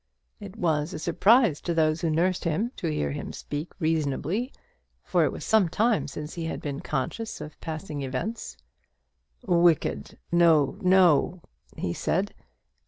It was a surprise to those who nursed him to hear him speak reasonably, for it was some time since he had been conscious of passing events. "Wicked! no! no!" he said.